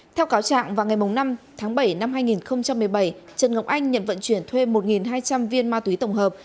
theo cáo trạng vào ngày năm tháng bảy năm hai nghìn một mươi bảy trần ngọc anh nhận vận chuyển thuê một hai trăm linh viên ma túy tổng hợp